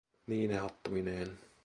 Niine hattuineen.